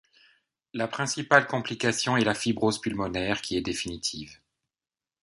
La principale complication est la fibrose pulmonaire qui est définitive.